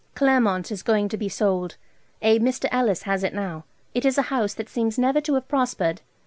Claremont is going to be sold: a Mr. Ellis has it now. It is a house that seems never to have prospered.